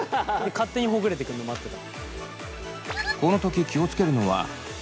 勝手にほぐれてくるの待ってた。